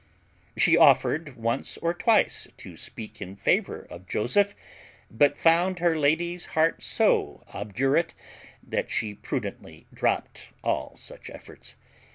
She offered once or twice to speak in favour of Joseph; but found her lady's heart so obdurate, that she prudently dropt all such efforts.